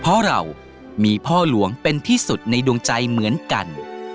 เพราะเรามีพ่อหลวงเป็นที่สุดในดวงใจเหมือนกัน